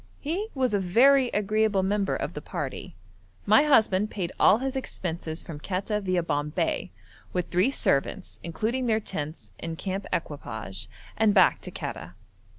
He was a very agreeable member of the party. My husband paid all his expenses from Quetta viâ Bombay, with three servants, including their tents and camp equipage, and back to Quetta.